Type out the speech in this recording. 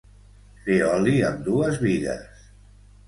Fer oli amb dues bigues.